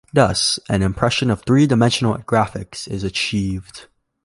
Thus, an impression of three-dimensional graphics is achieved.